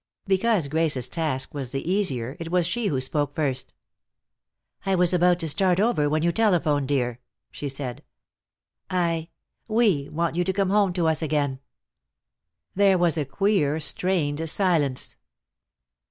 Because Grace's task was the easier it was she who spoke first. "I was about to start over when you telephoned, dear," she said. "I we want you to come home to us again." There was a queer, strained silence.